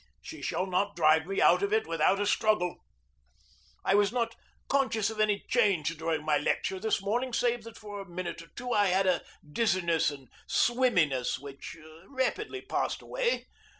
She shall not drive me out of it without a struggle. I was not conscious of any change during my lecture this morning save that for a minute or two I had a dizziness and swimminess which rapidly passed away.